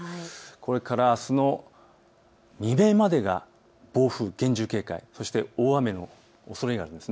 これからあすの未明までが暴風厳重警戒、そして大雨のおそれがあります。